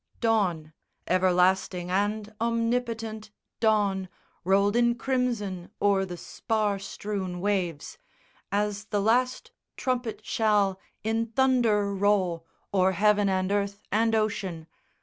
Dawn, everlasting and omnipotent Dawn rolled in crimson o'er the spar strewn waves, As the last trumpet shall in thunder roll O'er heaven and earth and ocean.